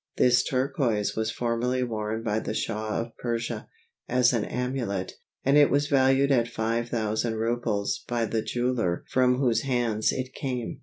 This turquoise was formerly worn by the Shah of Persia as an amulet, and it was valued at 5000 rubles by the jeweller from whose hands it came.